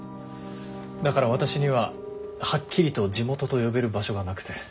だから私にははっきりと地元と呼べる場所がなくて。